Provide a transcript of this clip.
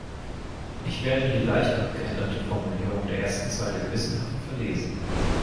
Ich werde die leicht abgeänderte Formulierung der ersten Zeile gewissenhaft verlesen.